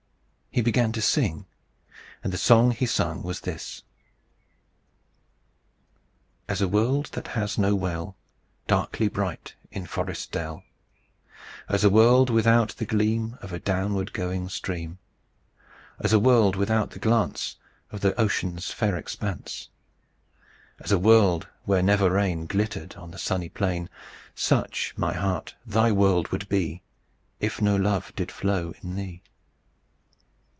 He began to sing, and the song he sung was this: "As a world that has no well, Darkly bright in forest dell; As a world without the gleam Of the downward going stream; As a world without the glance Of the ocean's fair expanse; As a world where never rain Glittered on the sunny plain; Such, my heart, thy world would be, If no love did flow in thee.